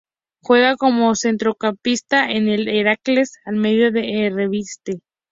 Juega como centrocampista en el Heracles Almelo de la Eredivisie.